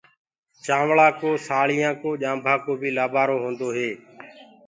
چآوݪآ ڪو سآريآ ڪو ڄآنٚڀآ ڪو بي لآبآرو هيندو هي۔